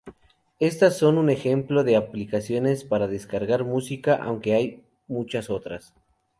Estas son solo un ejemplo de aplicaciones para descargar música, aunque hay muchas otras.